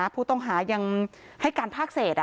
ผู้ต้องหายังให้การภาคเศษ